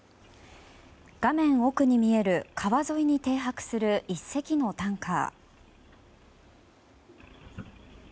画面奥に見える川沿いに停泊する１隻のタンカー。